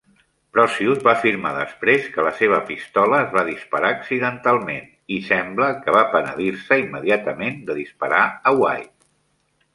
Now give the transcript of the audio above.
Brocius va afirmar després que la seva pistola es va disparar accidentalment i sembla que va penedir-se immediatament de disparar a White.